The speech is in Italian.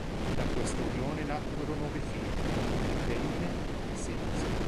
Da questa unione nacquero nove figli, tre femmine e sei maschi.